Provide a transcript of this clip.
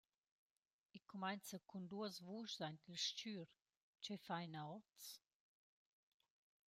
I cumainza cun duos vuschs aint il s-chür: «Che faina hoz?»